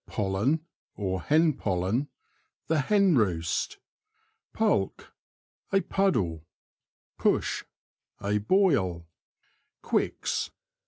Pollen, or Hen Pollen. — The hen roost. PuLK. — A puddle. Push. — A boil. Quicks.